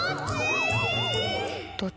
どどっち！？